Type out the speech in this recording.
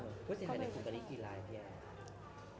ผู้เสียงหายในกลุ่มตอนนี้กี่รายแพทย์